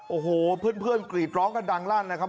โอ้โหเพื่อนกรีดร้องกันดังลั่นนะครับ